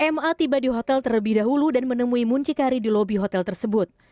ma tiba di hotel terlebih dahulu dan menemui muncikari di lobi hotel tersebut